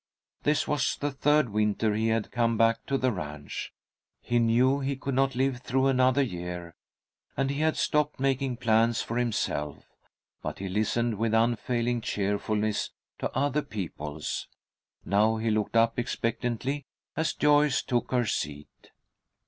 This was the third winter he had come back to the ranch. He knew he could not live through another year, and he had stopped making plans for himself, but he listened with unfailing cheerfulness to other people's. Now he looked up expectantly as Joyce took her seat.